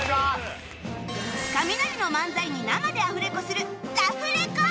カミナリの漫才に生でアフレコするラフレコ